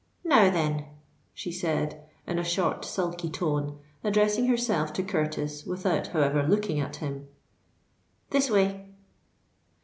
"Now then," she said, in a short, sulky tone, addressing herself to Curtis, without however looking at him: "this way."